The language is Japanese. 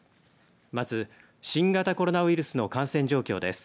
まず、新型コロナウイルスの感染状況です。